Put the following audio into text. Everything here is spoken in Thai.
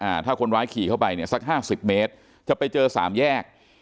อ่าถ้าคนร้ายขี่เข้าไปเนี่ยสักห้าสิบเมตรจะไปเจอสามแยก